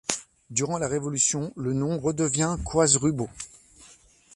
Durant la Révolution, le nom redevient Coise-Rubaud.